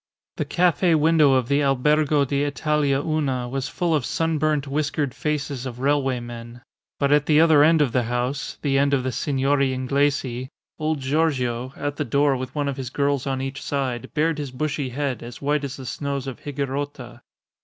The cafe window of the Albergo d'ltalia Una was full of sunburnt, whiskered faces of railway men. But at the other end of the house, the end of the Signori Inglesi, old Giorgio, at the door with one of his girls on each side, bared his bushy head, as white as the snows of Higuerota.